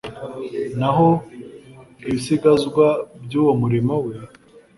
naho ibisigazwa by'uwo murimo we